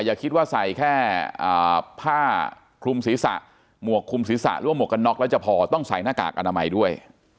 อย่าคิดว่าใส่แค่ผ้าคลุมศีรษะหมวกคลุมศีรษะหรือว่าหมวกกันน็อกแล้วจะพอต้องใส่หน้ากากอนามัยด้วย